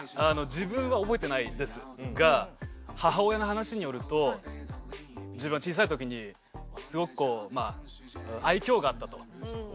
自分は覚えてないですが母親の話によると自分が小さい時にすごくこう愛嬌があったと。